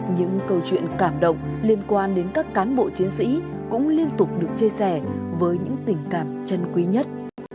những câu chuyện cảm động liên quan đến các cán bộ chiến sĩ cũng liên tục được chia sẻ với những tình cảm chân quý nhất